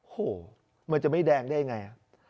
โอ้โหมันจะไม่แดงได้ยังไง